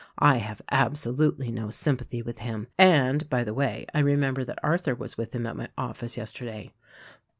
I have absolutely no sym pathy with him. And, by the way, I remember that Arthur was with him at my office yesterday."